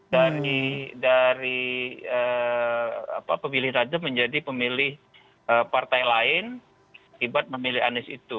jadi dari pemilih nasdem menjadi pemilih partai lain akibat memilih anies itu